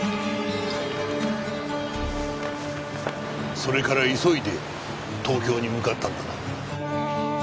それから急いで東京に向かったんだな？